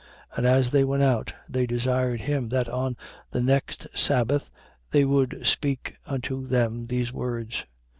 13:42. And as they went out, they desired them that on the next sabbath they would speak unto them these words.